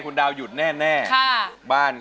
ถ้าหยุดรับ๘๐๐๐๐บาท